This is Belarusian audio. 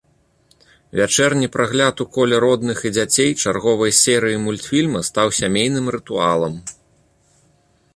Вячэрні прагляд у коле родных і дзяцей чарговай серыі мультфільма стаў сямейным рытуалам.